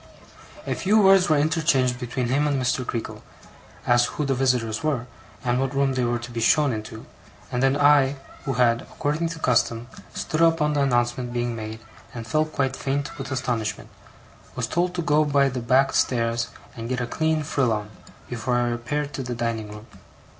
A few words were interchanged between him and Mr. Creakle, as, who the visitors were, and what room they were to be shown into; and then I, who had, according to custom, stood up on the announcement being made, and felt quite faint with astonishment, was told to go by the back stairs and get a clean frill on, before I repaired to the dining room.